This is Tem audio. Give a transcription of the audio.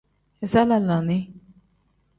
Iza lalaani.